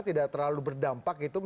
tidak terlalu berdampak itu